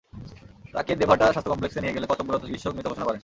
তাঁকে দেবহাটা স্বাস্থ্য কমপ্লেক্সে নিয়ে গেলে কর্তব্যরত চিকিৎসক মৃত ঘোষণা করেন।